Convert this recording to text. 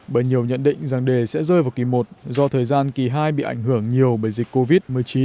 bởi nhiều nhận định rằng đề sẽ rơi vào kỳ một do thời gian kỳ hai bị ảnh hưởng nhiều bởi dịch covid một mươi chín